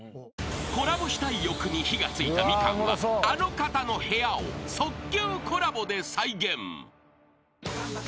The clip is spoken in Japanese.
［コラボしたい欲に火が付いたみかんはあの方の部屋を即興コラボで再現］